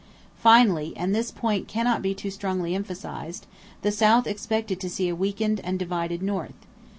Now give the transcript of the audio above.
Finally, and this point cannot be too strongly emphasized, the South expected to see a weakened and divided North.